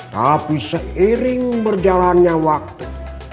tapi seiring berjalannya waktu